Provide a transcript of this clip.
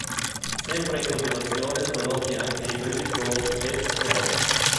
Sempre in coltivazione sono noti anche ibridi con "E. ferox".